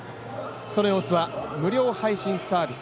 その様子は無料配信サービス